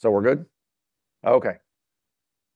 So we're good? Okay.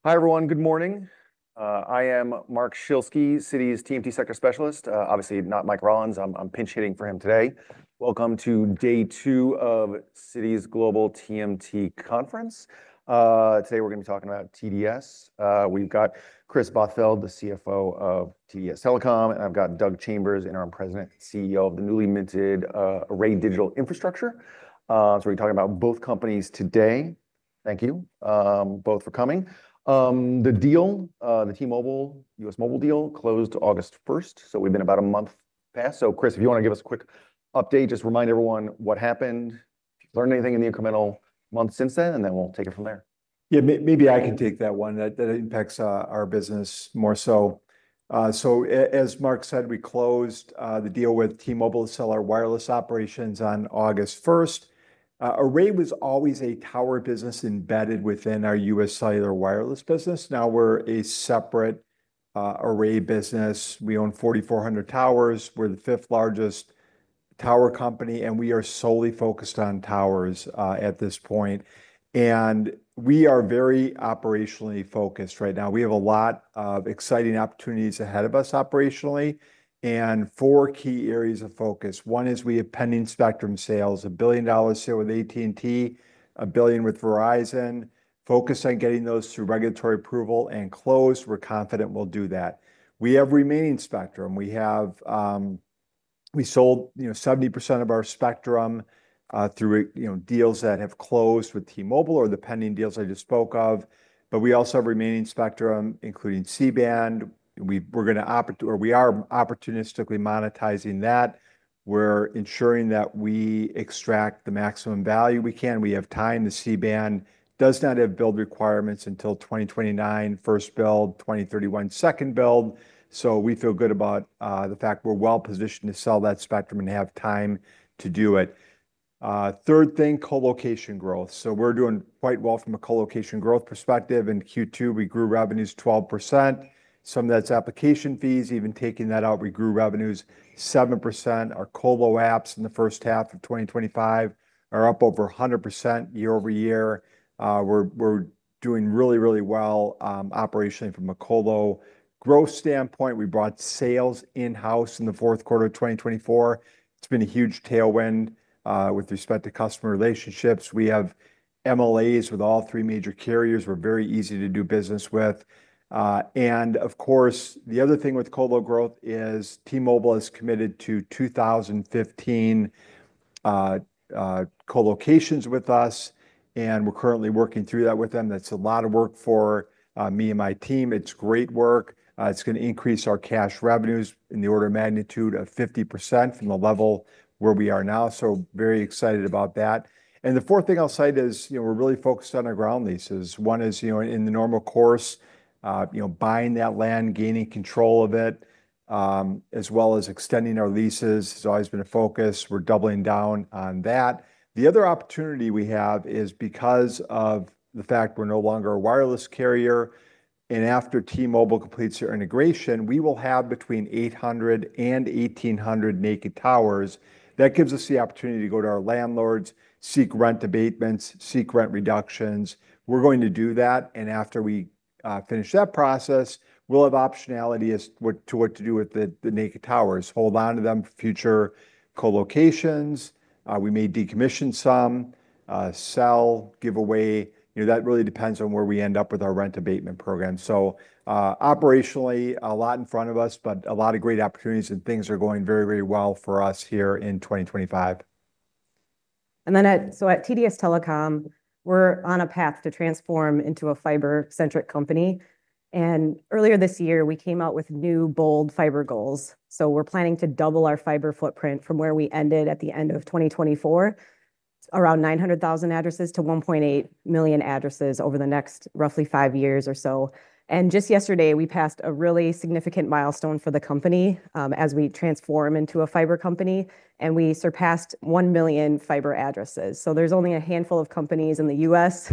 Hi, everyone. Good morning. I am Mark Schilsky, Citi's TMT sector specialist. Obviously not Mike Rollins, I'm pinch-hitting for him today. Welcome to day two of Citi's Global TMT Conference. Today we're gonna be talking about TDS. We've got Kris Bothfeld, the CFO of TDS Telecom, and I've got Doug Chambers, Interim President and CEO of the newly minted Array Digital Infrastructure. So we're talking about both companies today. Thank you both for coming. The deal, the T-Mobile, UScellular deal closed August 1st, so we've been about a month past. So Kris, if you wanna give us a quick update, just remind everyone what happened, if you've learned anything in the incremental months since then, and then we'll take it from there. Yeah, maybe I can take that one. That impacts our business more so. So as Mark said, we closed the deal with T-Mobile to sell our wireless operations on August 1st. Array was always a tower business embedded within our UScellular wireless business. Now we're a separate Array business. We own 4,400 towers. We're the fifth-largest tower company, and we are solely focused on towers at this point. And we are very operationally focused right now. We have a lot of exciting opportunities ahead of us operationally, and four key areas of focus. One is we have pending spectrum sales, a $1 billion sale with AT&T, a $1 billion with Verizon. Focused on getting those through regulatory approval and closed, we're confident we'll do that. We have remaining spectrum. We have. We sold, you know, 70% of our spectrum through, you know, deals that have closed with T-Mobile or the pending deals I just spoke of, but we also have remaining spectrum, including C-band. We're gonna or we are opportunistically monetizing that. We're ensuring that we extract the maximum value we can. We have time. The C-band does not have build requirements until 2029, first build, 2031, second build. So we feel good about the fact we're well-positioned to sell that spectrum and have time to do it. Third thing, co-location growth. So we're doing quite well from a co-location growth perspective. In Q2, we grew revenues 12%. Some of that's application fees. Even taking that out, we grew revenues 7%. Our colo apps in the first half of 2025 are up over 100% year-over-year. We're doing really, really well operationally from a colo growth standpoint. We brought sales in-house in the fourth quarter of 2024. It's been a huge tailwind with respect to customer relationships. We have MLAs with all three major carriers; we're very easy to do business with. And of course, the other thing with colo growth is T-Mobile is committed to 2,015 co-locations with us, and we're currently working through that with them. That's a lot of work for me and my team. It's great work. It's gonna increase our cash revenues in the order of magnitude of 50% from the level where we are now, so very excited about that. The fourth thing I'll cite is, you know, we're really focused on our ground leases. One is, you know, in the normal course, you know, buying that land, gaining control of it, as well as extending our leases has always been a focus. We're doubling down on that. The other opportunity we have is because of the fact we're no longer a wireless carrier, and after T-Mobile completes their integration, we will have between 800 and 1,800 naked towers. That gives us the opportunity to go to our landlords, seek rent abatements, seek rent reductions. We're going to do that, and after we finish that process, we'll have optionality as what to do with the naked towers, hold onto them for future co-locations. We may decommission some, sell, give away. You know, that really depends on where we end up with our rent abatement program. So, operationally, a lot in front of us, but a lot of great opportunities, and things are going very, very well for us here in 2025. So at TDS Telecom, we're on a path to transform into a fiber-centric company. Earlier this year, we came out with new bold fiber goals. We're planning to double our fiber footprint from where we ended at the end of 2024, around 900,000 addresses to 1.8 million addresses over the next roughly five years or so. Just yesterday, we passed a really significant milestone for the company, as we transform into a fiber company, and we surpassed one million fiber addresses. There's only a handful of companies in the U.S.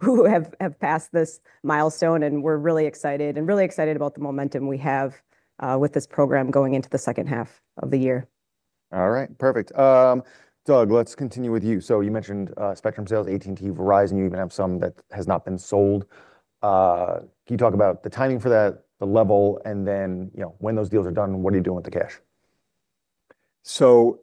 who have passed this milestone, and we're really excited about the momentum we have with this program going into the second half of the year. All right. Perfect. Let's continue with you. So you mentioned spectrum sales, AT&T, Verizon, you even have some that has not been sold. Can you talk about the timing for that, the level, and then, you know, when those deals are done, what are you doing with the cash? So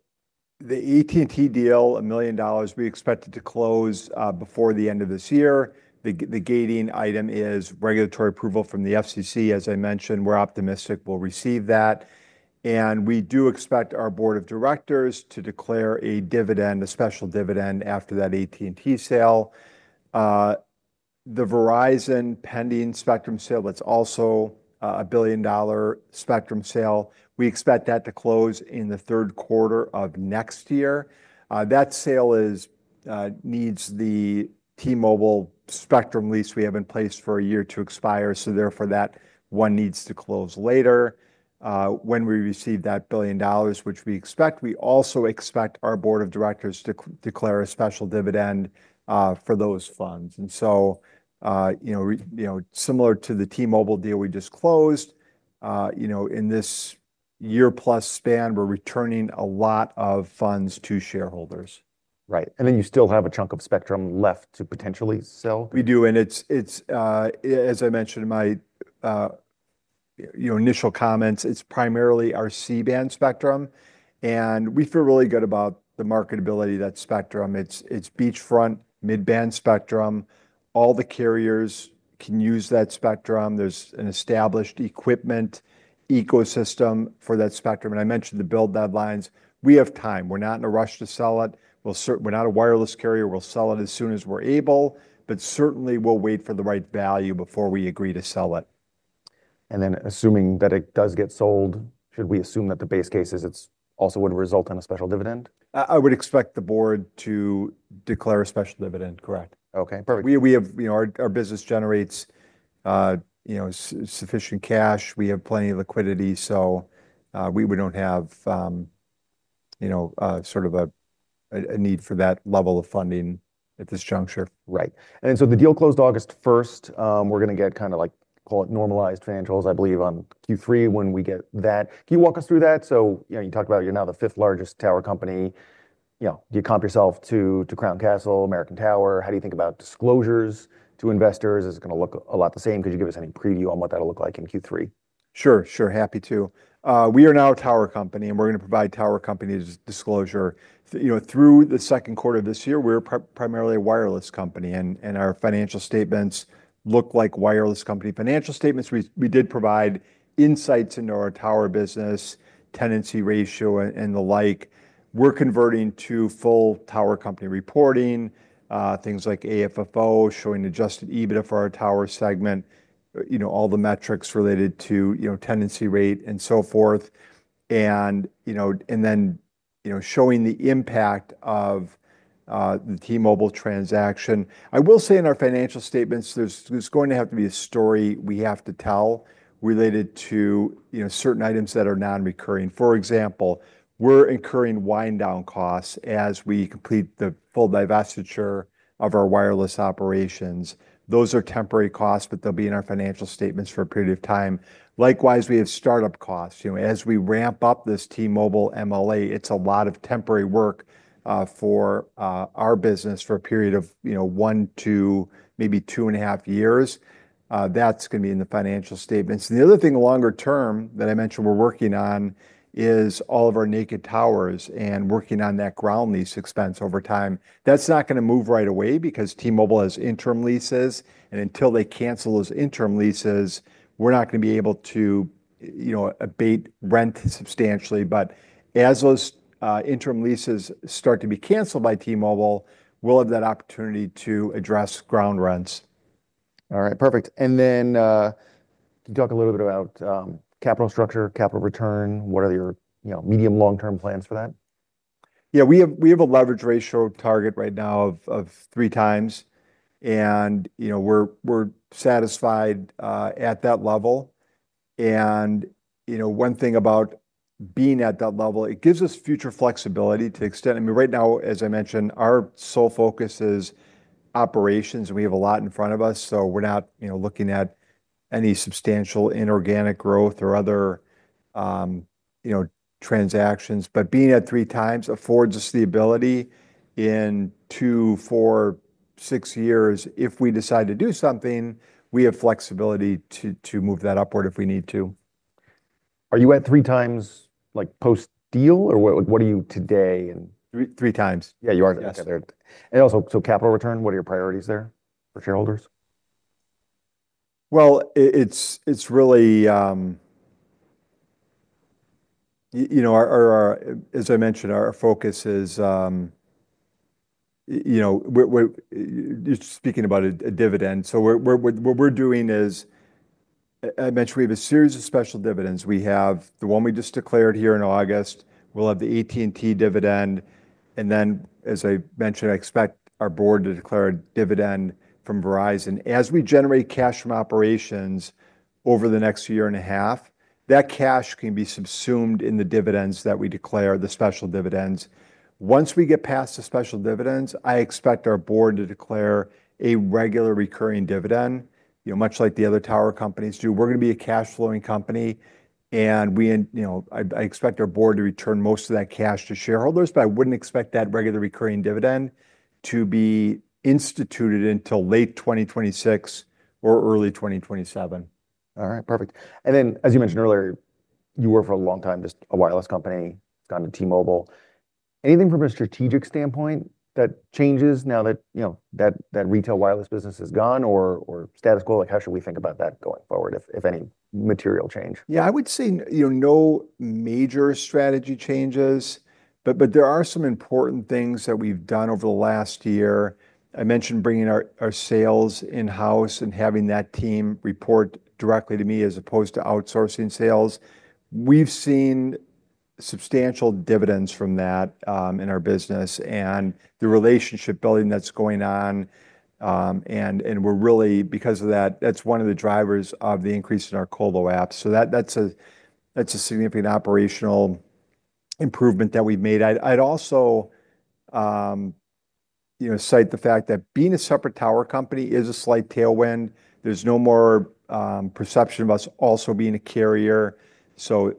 the AT&T deal, $1 million, we expect it to close before the end of this year. The gating item is regulatory approval from the FCC. As I mentioned, we're optimistic we'll receive that, and we do expect our board of directors to declare a dividend, a special dividend, after that AT&T sale. The Verizon pending spectrum sale, that's also a $1 billion spectrum sale, we expect that to close in the third quarter of next year. That sale needs the T-Mobile spectrum lease we have in place for a year to expire, so therefore, that one needs to close later. When we receive that $1 billion, which we expect, we also expect our board of directors to declare a special dividend for those funds. And so, you know, similar to the T-Mobile deal we just closed, you know, in this year-plus span, we're returning a lot of funds to shareholders. Right, and then you still have a chunk of spectrum left to potentially sell? We do, and it's, as I mentioned in my, you know, initial comments, it's primarily our C-band spectrum, and we feel really good about the marketability of that spectrum. It's beachfront mid-band spectrum. All the carriers can use that spectrum. There's an established equipment ecosystem for that spectrum, and I mentioned the build deadlines. We have time. We're not in a rush to sell it. We're not a wireless carrier. We'll sell it as soon as we're able, but certainly, we'll wait for the right value before we agree to sell it. And then assuming that it does get sold, should we assume that the base case is it's also would result in a special dividend? I would expect the board to declare a special dividend, correct? Okay, perfect. We have, you know, our business generates, you know, sufficient cash. We have plenty of liquidity, so we don't have, you know, sort of a need for that level of funding at this juncture. Right. And so the deal closed August 1st. We're gonna get kind of like, call it normalized financials, I believe, on Q3 when we get that. Can you walk us through that? So, you know, you talked about you're now the fifth largest tower company, you know. Do you comp yourself to Crown Castle, American Tower? How do you think about disclosures to investors? Is it gonna look a lot the same? Could you give us any preview on what that'll look like in Q3? Sure, sure. Happy to. We are now a tower company, and we're gonna provide tower company disclosure. You know, through the second quarter of this year, we're primarily a wireless company, and our financial statements look like wireless company financial statements. We did provide insights into our tower business, tenancy ratio, and the like. We're converting to full tower company reporting, things like AFFO, showing adjusted EBITDA for our tower segment, you know, all the metrics related to, you know, tenancy rate, and so forth. And, you know, and then, you know, showing the impact of the T-Mobile transaction. I will say in our financial statements, there's going to have to be a story we have to tell related to, you know, certain items that are non-recurring. For example, we're incurring wind down costs as we complete the full divestiture of our wireless operations. Those are temporary costs, but they'll be in our financial statements for a period of time. Likewise, we have start-up costs. You know, as we ramp up this T-Mobile MLA, it's a lot of temporary work for our business for a period of, you know, one to maybe two and a half years. That's gonna be in the financial statements. And the other thing longer term that I mentioned we're working on is all of our naked towers and working on that ground lease expense over time. That's not gonna move right away because T-Mobile has interim leases, and until they cancel those interim leases, we're not gonna be able to, you know, abate rent substantially. But as those interim leases start to be canceled by T-Mobile, we'll have that opportunity to address ground rents. All right. Perfect. And then, can you talk a little bit about capital structure, capital return? What are your, you know, medium, long-term plans for that? Yeah, we have a leverage ratio target right now of three times, and, you know, we're satisfied at that level. You know, one thing about being at that level, it gives us future flexibility to extend, I mean, right now, as I mentioned, our sole focus is operations, and we have a lot in front of us, so we're not, you know, looking at any substantial inorganic growth or other, you know, transactions. But being at three times affords us the ability in two, four, six years, if we decide to do something, we have flexibility to move that upward if we need to. Are you at three times, like, post-deal, or what? What are you today and- Three, three times. Yeah, you are. Yes. Okay. And also, so capital return, what are your priorities there for shareholders? Well, you know, our, as I mentioned, our focus is, you know, we're, you're speaking about a dividend, so what we're doing is, I mentioned we have a series of special dividends. We have the one we just declared here in August. We'll have the AT&T dividend, and then, as I mentioned, I expect our board to declare a dividend from Verizon. As we generate cash from operations over the next year and a half, that cash can be subsumed in the dividends that we declare, the special dividends. Once we get past the special dividends, I expect our board to declare a regular recurring dividend, you know, much like the other tower companies do. We're gonna be a cash flowing company, and we, you know, I expect our board to return most of that cash to shareholders, but I wouldn't expect that regular recurring dividend to be instituted until late 2026 or early 2027. All right. Perfect. And then, as you mentioned earlier, you were for a long time just a wireless company, gone to T-Mobile. Anything from a strategic standpoint that changes now that, you know, that retail wireless business is gone or status quo? Like, how should we think about that going forward, if any material change? Yeah, I would say, you know, no major strategy changes, but there are some important things that we've done over the last year. I mentioned bringing our sales in-house and having that team report directly to me, as opposed to outsourcing sales. We've seen substantial dividends from that in our business and the relationship building that's going on. And we're really, because of that, that's one of the drivers of the increase in our colo apps. So that, that's a significant operational improvement that we've made. I'd also, you know, cite the fact that being a separate tower company is a slight tailwind. There's no more perception of us also being a carrier, so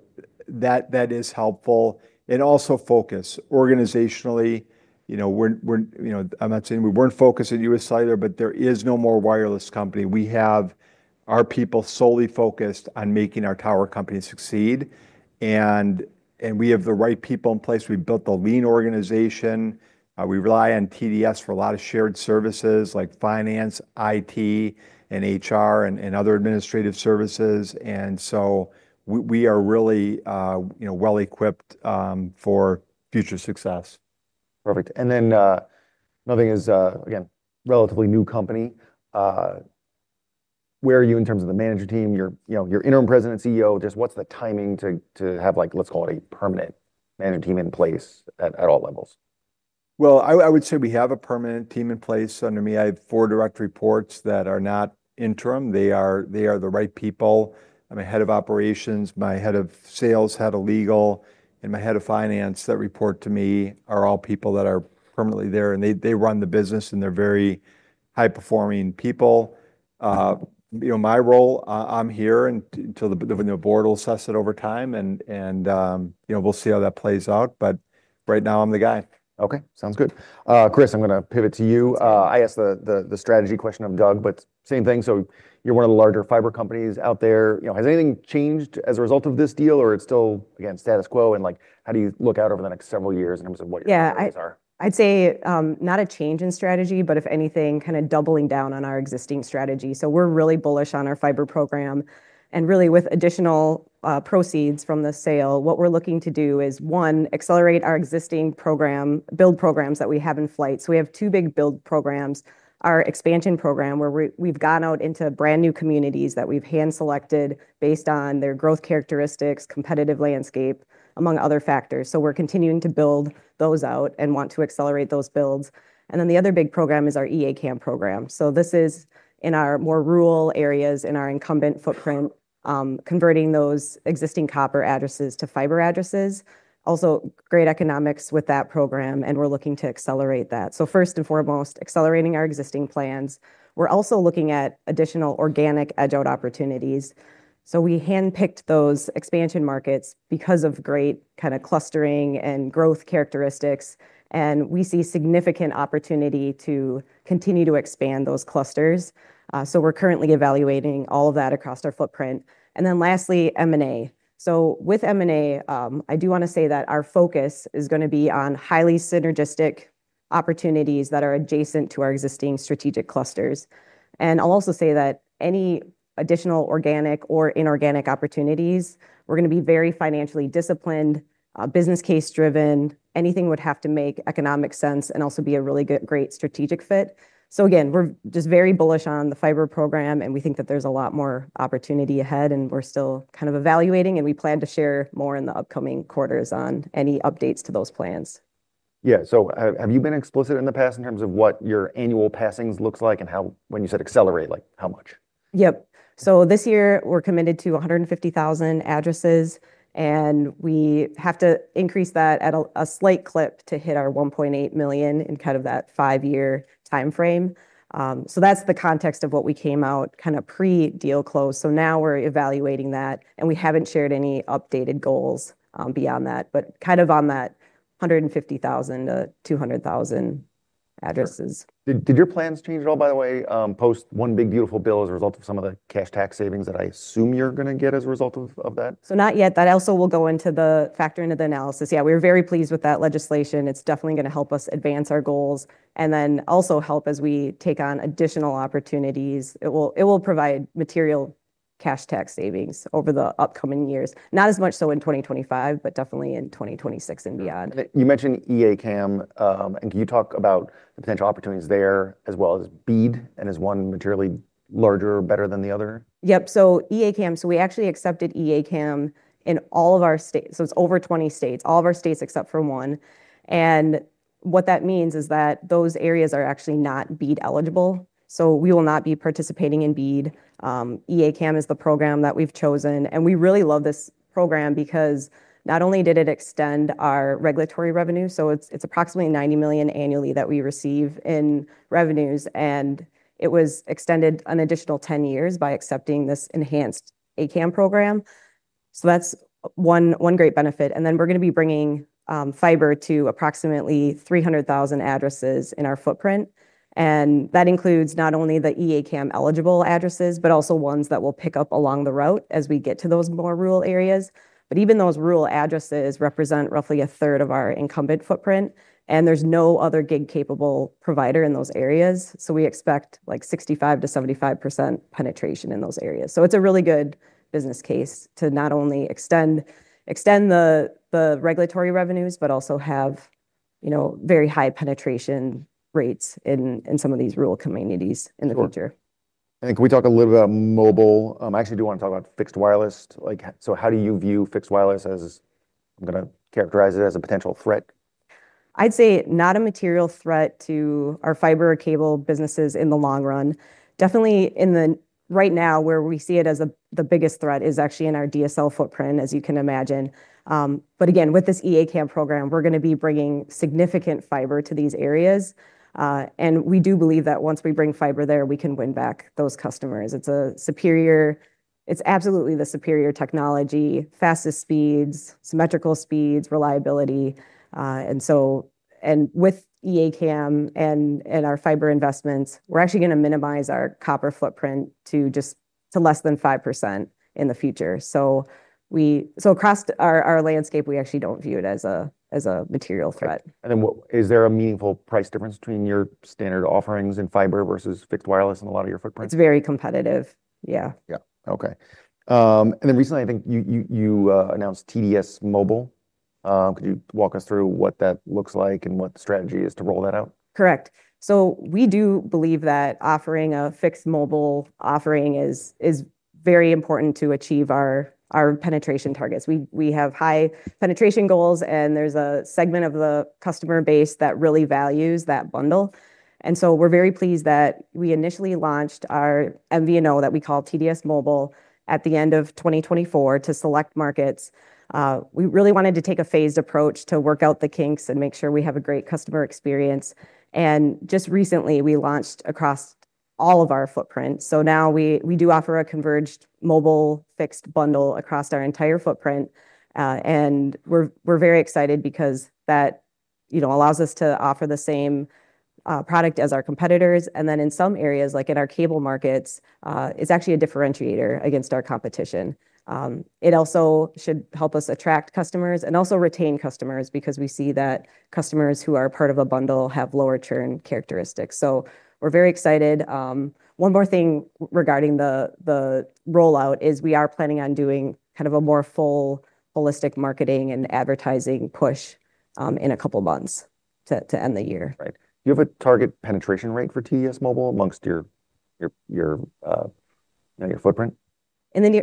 that is helpful. And also focus. Organizationally, you know, we're you know, I'm not saying we weren't focused at UScellular, but there is no more wireless company. We have our people solely focused on making our tower company succeed, and we have the right people in place. We've built a lean organization. We rely on TDS for a lot of shared services, like finance, IT, and HR, and other administrative services, and so we are really, you know, well-equipped for future success. Perfect. And then, another thing is, again, relatively new company. Where are you in terms of the management team, your, you know, you're Interim President and CEO, just what's the timing to have, like, let's call it, a permanent management team in place at all levels? I would say we have a permanent team in place under me. I have four direct reports that are not interim. They are the right people. I have a head of operations, my head of sales, head of legal, and my head of finance that report to me, are all people that are permanently there, and they run the business, and they're very high-performing people. You know, my role, I'm here until the you know, board will assess it over time, and you know, we'll see how that plays out, but right now, I'm the guy. Okay, sounds good. Kris, I'm gonna pivot to you. I asked the strategy question of Doug, but same thing. So you're one of the larger fiber companies out there. You know, has anything changed as a result of this deal, or it's still, again, status quo, and, like, how do you look out over the next several years in terms of what your plans are? Yeah, I'd say, not a change in strategy, but if anything, kind of doubling down on our existing strategy. So we're really bullish on our fiber program, and really, with additional, proceeds from the sale, what we're looking to do is, one, accelerate our existing program, build programs that we have in flight. So we have two big build programs. Our expansion program, where we, we've gone out into brand-new communities that we've hand-selected based on their growth characteristics, competitive landscape, among other factors. So we're continuing to build those out and want to accelerate those builds. And then, the other big program is our E-ACAM program. So this is in our more rural areas, in our incumbent footprint, converting those existing copper addresses to fiber addresses. Also, great economics with that program, and we're looking to accelerate that. First and foremost, accelerating our existing plans. We're also looking at additional organic edge-out opportunities. We handpicked those expansion markets because of great kind of clustering and growth characteristics, and we see significant opportunity to continue to expand those clusters. We're currently evaluating all of that across our footprint. Then lastly, M&A. With M&A, I do wanna say that our focus is gonna be on highly synergistic opportunities that are adjacent to our existing strategic clusters. I'll also say that any additional organic or inorganic opportunities, we're gonna be very financially disciplined, business case driven. Anything would have to make economic sense and also be a really good, great strategic fit. So again, we're just very bullish on the fiber program, and we think that there's a lot more opportunity ahead, and we're still kind of evaluating, and we plan to share more in the upcoming quarters on any updates to those plans. Yeah, so have you been explicit in the past in terms of what your annual passings looks like, and how... when you said accelerate, like, how much? Yep, so this year, we're committed to 150,000 addresses, and we have to increase that at a slight clip to hit our 1.8 million in kind of that five-year timeframe, so that's the context of what we came out kind of pre-deal close, so now we're evaluating that, and we haven't shared any updated goals beyond that, but kind of on that 150,000 addresses, 200,000 addresses. Sure. Did your plans change at all, by the way, post one big beautiful bill as a result of some of the cash tax savings that I assume you're gonna get as a result of that? So not yet. That also will go into the factoring into the analysis. Yeah, we're very pleased with that legislation. It's definitely` gonna help us advance our goals and then also help as we take on additional opportunities. It will, it will provide material cash tax savings over the upcoming years. Not as much so in 2025, but definitely in 2026 and beyond. You mentioned E-ACAM, and can you talk about the potential opportunities there as well as BEAD, and is one materially larger or better than the other? Yep. So E-ACAM, so we actually accepted E-ACAM in all of our states, so it's over 20 states. All of our states, except for one, and what that means is that those areas are actually not BEAD eligible, so we will not be participating in BEAD. E-ACAM is the program that we've chosen, and we really love this program because not only did it extend our regulatory revenue, so it's approximately $90 million annually that we receive in revenues, and it was extended an additional 10 years by accepting this enhanced E-ACAM program. So that's one great benefit, and then we're gonna be bringing fiber to approximately 300,000 addresses in our footprint, and that includes not only the E-ACAM-eligible addresses but also ones that we'll pick up along the route as we get to those more rural areas. But even those rural addresses represent roughly a third of our incumbent footprint, and there's no other gig-capable provider in those areas. So we expect, like, 65%-75% penetration in those areas. So it's a really good business case to not only extend the regulatory revenues but also have, you know, very high penetration rates in some of these rural communities- Sure In the future. Can we talk a little about mobile? I actually do wanna talk about fixed wireless. Like, so how do you view fixed wireless? I'm gonna characterize it as a potential threat? I'd say not a material threat to our fiber or cable businesses in the long run. Definitely right now, where we see it as the biggest threat is actually in our DSL footprint, as you can imagine, but again, with this E-ACAM program, we're gonna be bringing significant fiber to these areas, and we do believe that once we bring fiber there, we can win back those customers. It's a superior... It's absolutely the superior technology, fastest speeds, symmetrical speeds, reliability, and so, with E-ACAM and our fiber investments, we're actually gonna minimize our copper footprint to just less than 5% in the future across our landscape. We actually don't view it as a material threat. And then, is there a meaningful price difference between your standard offerings in fiber versus fixed wireless in a lot of your footprint? It's very competitive. Yeah. Yeah. Okay. And then recently, I think you announced TDS Mobile. Could you walk us through what that looks like and what the strategy is to roll that out? Correct. So we do believe that offering a fixed mobile offering is very important to achieve our penetration targets. We have high penetration goals, and there's a segment of the customer base that really values that bundle, and so we're very pleased that we initially launched our MVNO, that we call TDS Mobile, at the end of 2024 to select markets. We really wanted to take a phased approach to work out the kinks and make sure we have a great customer experience, and just recently, we launched across all of our footprints. So now we do offer a converged mobile fixed bundle across our entire footprint, and we're very excited because that you know allows us to offer the same product as our competitors. And then in some areas, like in our cable markets, it's actually a differentiator against our competition. It also should help us attract customers and also retain customers because we see that customers who are part of a bundle have lower churn characteristics, so we're very excited. One more thing regarding the rollout is we are planning on doing kind of a more full, holistic marketing and advertising push, in a couple of months to end the year. Right. Do you have a target penetration rate for TDS Mobile among your footprint?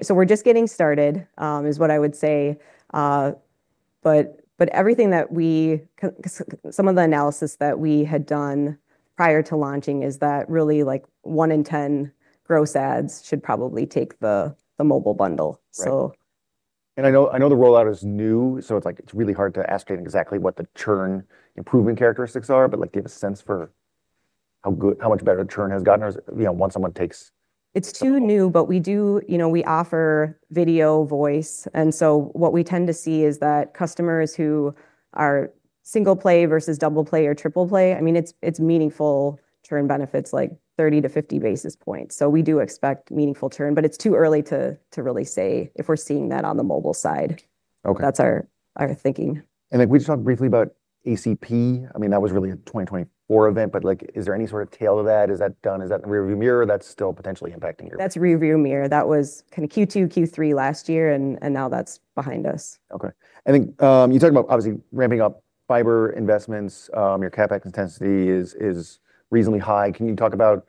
We're just getting started, is what I would say. But everything that we see. Some of the analysis that we had done prior to launching is that really, like, one in 10 gross adds should probably take the mobile bundle, so- Right, and I know, I know the rollout is new, so it's, like, it's really hard to ask exactly what the churn improvement characteristics are, but, like, do you have a sense for how good- how much better the churn has gotten, or is it, you know, once someone takes- It's too new, but we do... You know, we offer video, voice, and so what we tend to see is that customers who are single play versus double play or triple play, I mean, it's, it's meaningful churn benefits, like 30-50 basis points. So we do expect meaningful churn, but it's too early to, to really say if we're seeing that on the mobile side. Okay. That's our thinking. And if we just talk briefly about ACP. I mean, that was really a 2024 event, but, like, is there any sort of tail to that? Is that done? Is that in the rearview mirror, or that's still potentially impacting your- That's rearview mirror. That was kind of Q2, Q3 last year, and now that's behind us. Okay. I think you talked about obviously ramping up fiber investments. Your CapEx intensity is reasonably high. Can you talk about,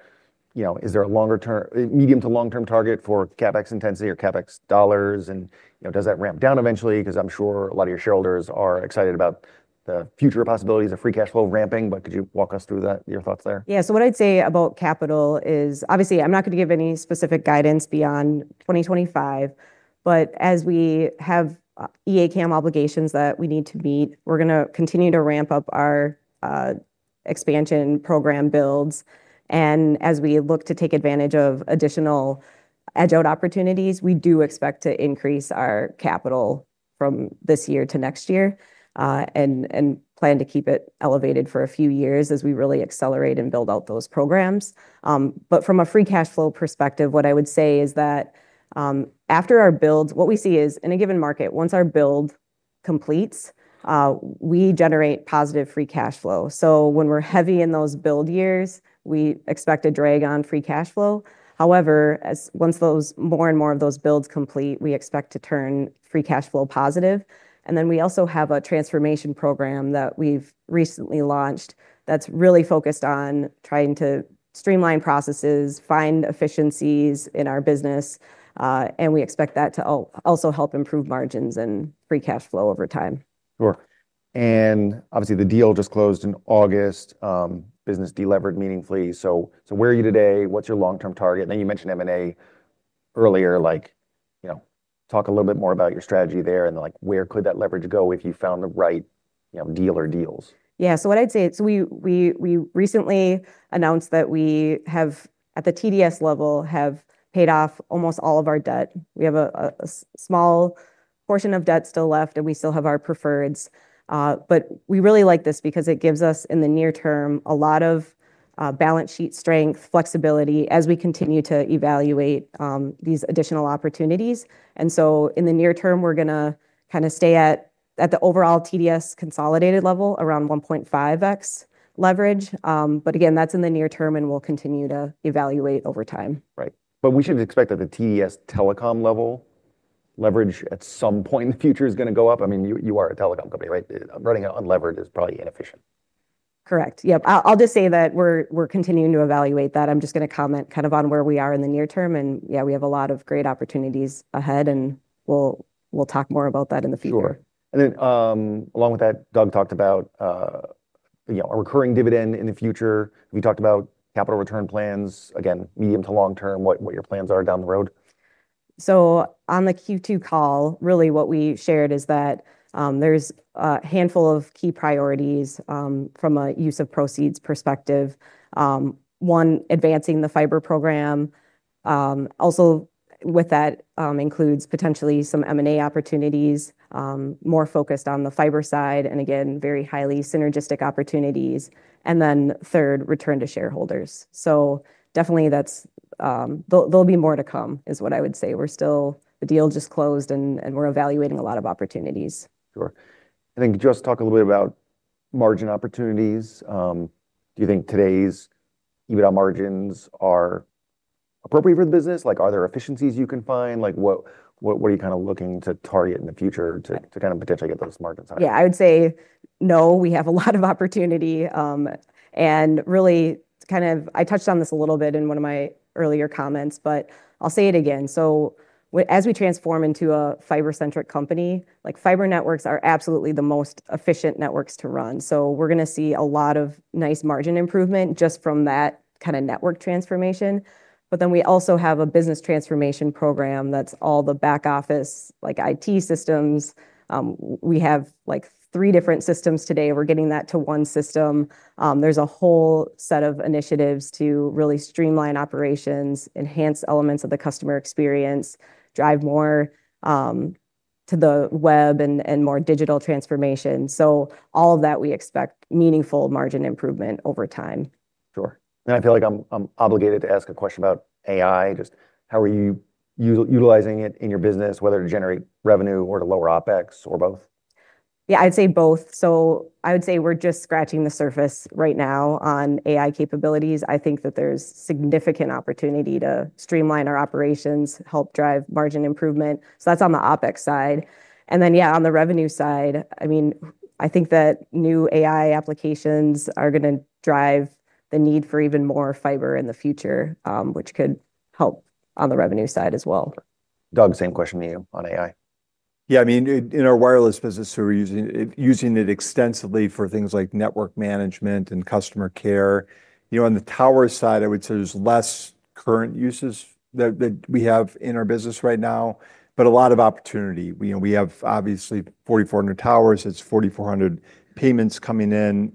you know, is there a longer term, medium to long-term target for CapEx intensity or CapEx dollars, and, you know, does that ramp down eventually? Because I'm sure a lot of your shareholders are excited about the future possibilities of Free Cash Flow ramping, but could you walk us through that, your thoughts there? Yeah. So what I'd say about capital is, obviously, I'm not gonna give any specific guidance beyond 2025, but as we have E-ACAM obligations that we need to meet, we're gonna continue to ramp up our expansion program builds. And as we look to take advantage of additional edge out opportunities, we do expect to increase our capital from this year to next year, and plan to keep it elevated for a few years as we really accelerate and build out those programs. But from a Free Cash Flow perspective, what I would say is that after our builds, what we see is, in a given market, once our build completes, we generate positive Free Cash Flow. So when we're heavy in those build years, we expect a drag on Free Cash Flow. However, once more and more of those builds complete, we expect to turn Free Cash Flow positive. And then we also have a transformation program that we've recently launched that's really focused on trying to streamline processes, find efficiencies in our business, and we expect that to also help improve margins and Free Cash Flow over time. Sure. And obviously, the deal just closed in August. Business delevered meaningfully. So where are you today? What's your long-term target? I think you mentioned M&A earlier, like, you know, talk a little bit more about your strategy there, and, like, where could that leverage go if you found the right, you know, deal or deals? Yeah. So what I'd say, so we recently announced that we have at the TDS level paid off almost all of our debt. We have a small portion of debt still left, and we still have our preferreds, but we really like this because it gives us, in the near term, a lot of balance sheet strength, flexibility, as we continue to evaluate these additional opportunities. And so in the near term, we're gonna kind of stay at the overall TDS consolidated level, around 1.5x leverage. But again, that's in the near term, and we'll continue to evaluate over time. Right. But we should expect that the TDS Telecom level leverage at some point in the future is gonna go up. I mean, you, you are a telecom company, right? Running unlevered is probably inefficient. Correct. Yep, I'll just say that we're continuing to evaluate that. I'm just gonna comment kind of on where we are in the near term, and yeah, we have a lot of great opportunities ahead, and we'll talk more about that in the future. Sure. And then, along with that, Doug talked about, you know, a recurring dividend in the future. We talked about capital return plans, again, medium to long term, what your plans are down the road? So on the Q2 call, really what we shared is that, there's a handful of key priorities, from a use of proceeds perspective. One, advancing the fiber program. Also with that, includes potentially some M&A opportunities, more focused on the fiber side, and again, very highly synergistic opportunities, and then third, return to shareholders. So definitely that's... There'll be more to come, is what I would say. We're still the deal just closed, and we're evaluating a lot of opportunities. Sure. I think just talk a little bit about margin opportunities. Do you think today's EBITDA margins are appropriate for the business? Like, are there efficiencies you can find? Like, what are you kind of looking to target in the future to kind of potentially get those margins out? Yeah, I would say, no, we have a lot of opportunity. And really, kind of I touched on this a little bit in one of my earlier comments, but I'll say it again: so as we transform into a fiber-centric company, like, fiber networks are absolutely the most efficient networks to run. So we're gonna see a lot of nice margin improvement just from that kind of network transformation. But then we also have a business transformation program that's all the back office, like IT systems. We have, like, three different systems today. We're getting that to one system. There's a whole set of initiatives to really streamline operations, enhance elements of the customer experience, drive more to the web and more digital transformation. So all of that, we expect meaningful margin improvement over time. Sure. And I feel like I'm obligated to ask a question about AI. Just how are you utilizing it in your business, whether to generate revenue or to lower OpEx, or both? Yeah, I'd say both. So I would say we're just scratching the surface right now on AI capabilities. I think that there's significant opportunity to streamline our operations, help drive margin improvement. So that's on the OpEx side. And then, yeah, on the revenue side, I mean, I think that new AI applications are gonna drive the need for even more fiber in the future, which could help on the revenue side as well. Doug, same question to you on AI? Yeah, I mean, in our wireless business, so we're using it extensively for things like network management and customer care. You know, on the tower side, I would say there's less current uses that we have in our business right now, but a lot of opportunity. You know, we have obviously 4,400 towers. It's 4,400 payments coming in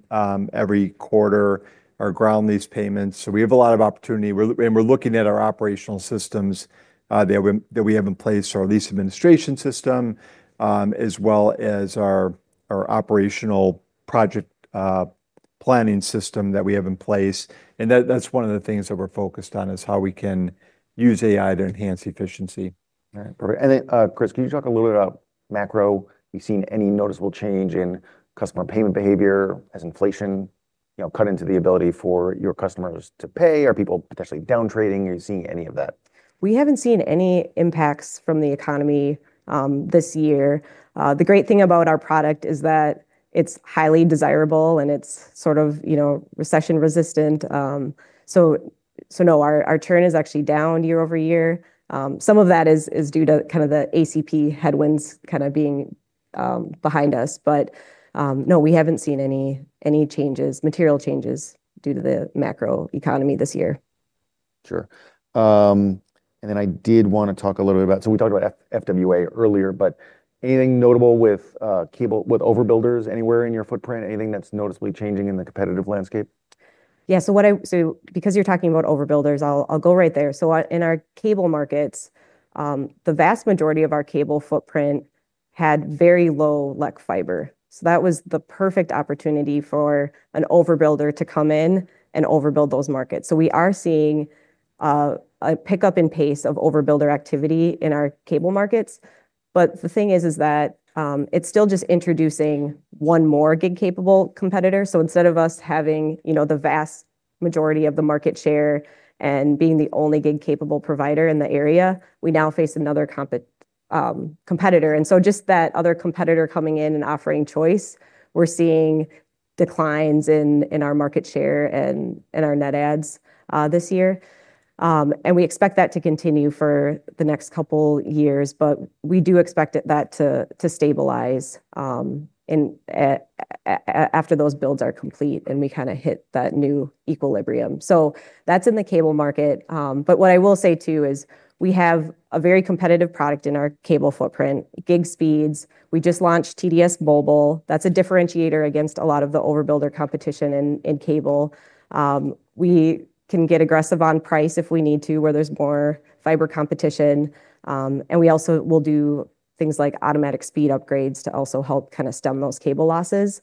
every quarter, our ground lease payments, so we have a lot of opportunity. And we're looking at our operational systems that we have in place, our lease administration system, as well as our operational project planning system that we have in place. And that's one of the things that we're focused on, is how we can use AI to enhance efficiency. All right. Perfect. And then, Kris, can you talk a little bit about macro? Have you seen any noticeable change in customer payment behavior as inflation, you know, cut into the ability for your customers to pay? Are people potentially downtrading? Are you seeing any of that? We haven't seen any impacts from the economy, this year. The great thing about our product is that it's highly desirable, and it's sort of, you know, recession resistant. So no, our churn is actually down year-over-year. Some of that is due to kind of the ACP headwinds kind of being behind us. But no, we haven't seen any changes, material changes due to the macro economy this year. Sure. And then I did want to talk a little bit about... So we talked about FWA earlier, but anything notable with cable with overbuilders anywhere in your footprint? Anything that's noticeably changing in the competitive landscape? Yeah, so because you're talking about overbuilders, I'll go right there. So in our cable markets, the vast majority of our cable footprint had very low LEC fiber, so that was the perfect opportunity for an overbuilder to come in and overbuild those markets. So we are seeing a pickup in pace of overbuilder activity in our cable markets. But the thing is that it's still just introducing one more gig-capable competitor. So instead of us having, you know, the vast majority of the market share and being the only gig-capable provider in the area, we now face another competitor. And so just that other competitor coming in and offering choice, we're seeing declines in our market share and in our net adds this year. And we expect that to continue for the next couple years, but we do expect that to stabilize after those builds are complete, and we kind of hit that new equilibrium. So that's in the cable market. But what I will say, too, is we have a very competitive product in our cable footprint: gig speeds. We just launched TDS Mobile. That's a differentiator against a lot of the overbuilder competition in cable. We can get aggressive on price if we need to, where there's more fiber competition. And we also will do things like automatic speed upgrades to also help kind of stem those cable losses.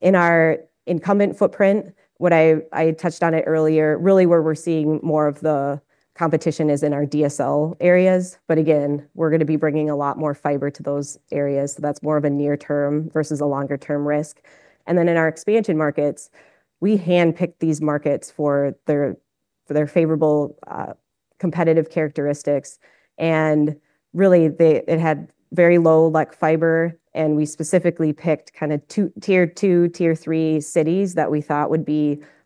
In our incumbent footprint, what I touched on it earlier, really where we're seeing more of the competition is in our DSL areas. But again, we're gonna be bringing a lot more fiber to those areas, so that's more of a near-term versus a longer-term risk. And then in our expansion markets, we handpick these markets for their favorable competitive characteristics. And really, they had very low LEC fiber, and we specifically picked kind of two, tier two, tier three cities that we thought would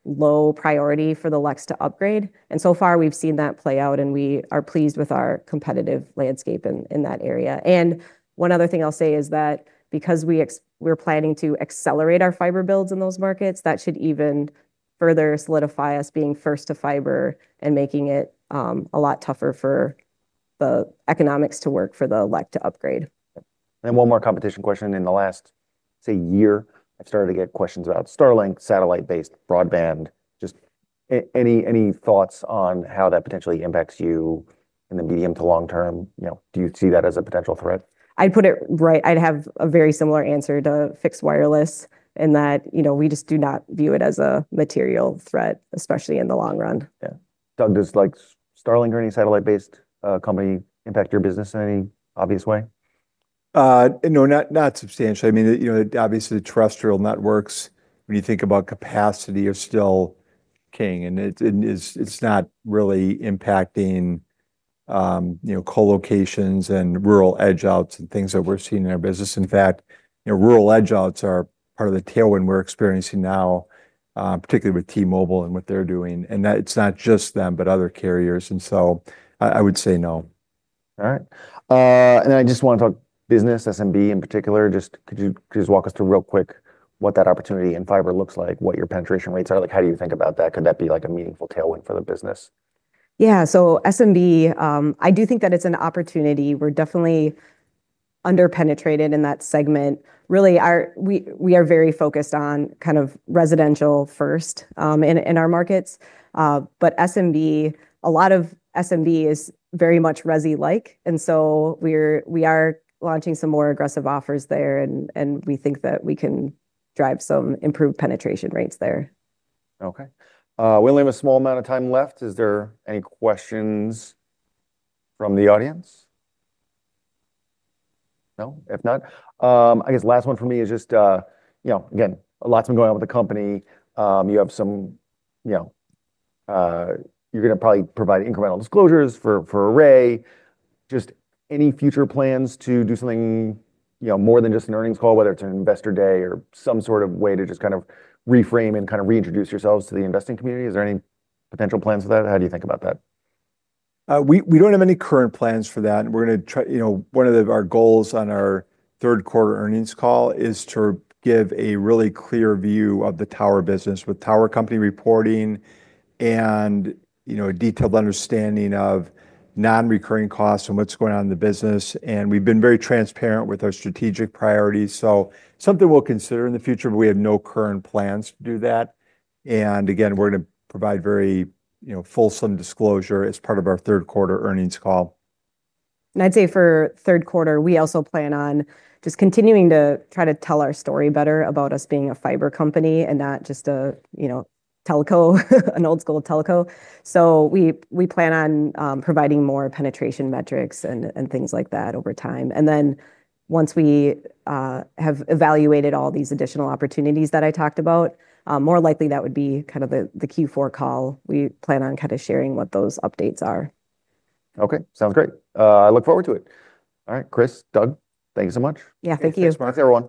be low priority for the LECs to upgrade, and so far we've seen that play out, and we are pleased with our competitive landscape in that area. And one other thing I'll say is that because we're planning to accelerate our fiber builds in those markets, that should even further solidify us being first to fiber and making it a lot tougher for the economics to work for the LEC to upgrade. One more competition question. In the last, say, year, I've started to get questions about Starlink satellite-based broadband. Just any thoughts on how that potentially impacts you in the medium to long term? You know, do you see that as a potential threat? I'd put it, right. I'd have a very similar answer to fixed wireless in that, you know, we just do not view it as a material threat, especially in the long run. Yeah. Doug, does, like, Starlink or any satellite-based company impact your business in any obvious way? No, not substantially. I mean, you know, obviously, the terrestrial networks, when you think about capacity, are still king, and it's not really impacting, you know, co-locations and rural edge-outs and things that we're seeing in our business. In fact, you know, rural edge-outs are part of the tailwind we're experiencing now, particularly with T-Mobile and what they're doing, and that it's not just them, but other carriers, and so I would say no. All right. And I just want to talk business, SMB in particular. Just could you just walk us through real quick what that opportunity in fiber looks like, what your penetration rates are? Like, how do you think about that? Could that be, like, a meaningful tailwind for the business? Yeah. So SMB, I do think that it's an opportunity. We're definitely under-penetrated in that segment. Really, we are very focused on kind of residential first, in our markets. But SMB, a lot of SMB is very much resi-like, and so we're launching some more aggressive offers there, and we think that we can drive some improved penetration rates there. Okay. We only have a small amount of time left. Is there any questions from the audience? No? If not, I guess last one for me is just, you know, again, a lot's been going on with the company. You have some, you know, you're gonna probably provide incremental disclosures for Array. Just any future plans to do something, you know, more than just an earnings call, whether it's an investor day or some sort of way to just kind of reframe and kind of reintroduce yourselves to the investing community. Is there any potential plans for that? How do you think about that? We don't have any current plans for that. You know, one of our goals on our third quarter earnings call is to give a really clear view of the tower business, with tower company reporting and, you know, a detailed understanding of non-recurring costs and what's going on in the business, and we've been very transparent with our strategic priorities. So something we'll consider in the future, but we have no current plans to do that, and again, we're gonna provide very, you know, fulsome disclosure as part of our third quarter earnings call. And I'd say for third quarter, we also plan on just continuing to try to tell our story better about us being a fiber company and not just a, you know, telco, an old-school telco. So we plan on providing more penetration metrics and things like that over time. And then once we have evaluated all these additional opportunities that I talked about, more likely that would be kind of the Q4 call. We plan on kind of sharing what those updates are. Okay, sounds great. I look forward to it. All right. Kris, Doug, thank you so much. Yeah, thank you. Thanks, Mark, everyone.